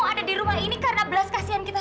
apa biru kau butuh pesan wanita